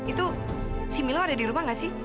itu si milo ada di rumah nggak sih